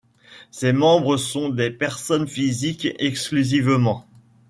Ses membres sont des personnes physiques exclusivement.